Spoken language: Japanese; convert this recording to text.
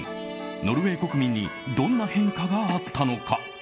ノルウェー国民にどんな変化があったのか。